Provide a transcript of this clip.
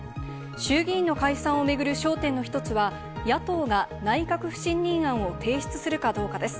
衆議院の解散を巡る焦点の１つは、野党が内閣不信任案を提出するかどうかです。